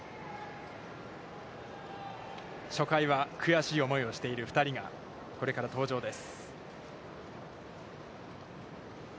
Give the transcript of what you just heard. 初回は悔しい思いをしている２人がこれから登場です。